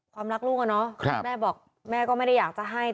ความรักลูกว่าน้อแม่บอกแม่ก็ไม่ได้อยากจะให้ครับ